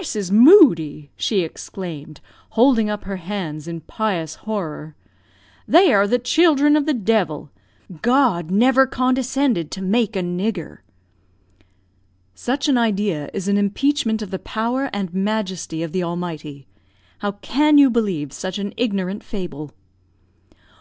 "Mrs. Moodie!" she exclaimed, holding up her hands in pious horror; "they are the children of the devil! God never condescended to make a nigger." "Such an idea is an impeachment of the power and majesty of the Almighty. How can you believe such an ignorant fable?"